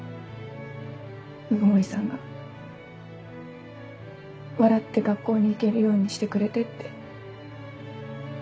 鵜久森さんが笑って学校に行けるようにしてくれてって。